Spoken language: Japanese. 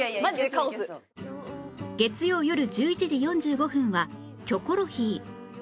月曜よる１１時４５分は『キョコロヒー』